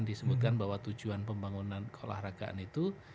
disebutkan bahwa tujuan pembangunan keolahragaan itu